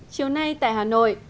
chiều nay tại hà nội